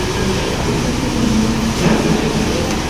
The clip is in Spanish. Se encuentra en la orilla norte del Río Tajo.